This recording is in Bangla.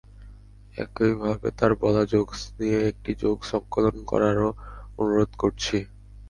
একইভাবে তার বলা জোকস নিয়ে একটি জোকস সংকলন করারও অনুরোধ করছি।